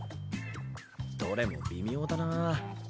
どれも微妙だなぁ。